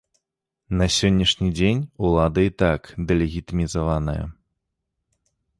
На сённяшні дзень улада і так дэлегітымізаваная.